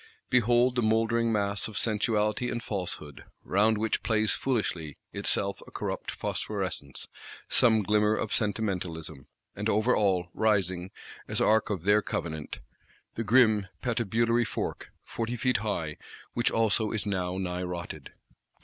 Behold the mouldering mass of Sensuality and Falsehood; round which plays foolishly, itself a corrupt phosphorescence, some glimmer of Sentimentalism;—and over all, rising, as Ark of their Covenant, the grim Patibulary Fork "forty feet high;" which also is now nigh rotted.